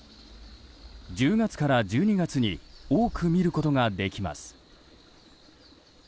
１０月から１２月に多く見ることができます。